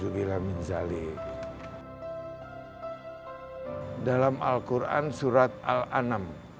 dalam al quran surat al anam